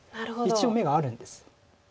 一応眼があるんです。